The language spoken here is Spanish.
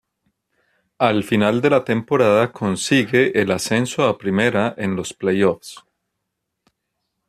Al final de la temporada consigue el ascenso a Primera en los play-offs.